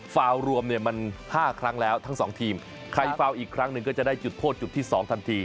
ฟาวรวมเนี่ยมัน๕ครั้งแล้วทั้งสองทีมใครฟาวอีกครั้งหนึ่งก็จะได้จุดโทษจุดที่๒ทันที